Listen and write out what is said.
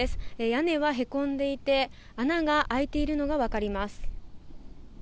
屋根はへこんでいて、穴が開いているのが分かります。